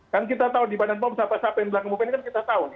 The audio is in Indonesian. kan kita tahu di badan pom siapa yang bilang ke bupen ini kan kita tahu